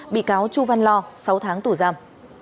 bị cáo chú văn lo sáu tháng tù giam